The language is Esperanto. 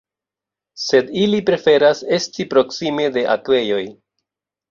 Sed ili preferas esti proksime de akvejoj.